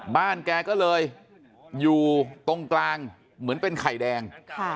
แกก็เลยอยู่ตรงกลางเหมือนเป็นไข่แดง